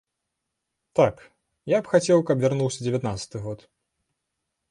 Так, я б хацеў, каб вярнуўся дзевятнаццаты год.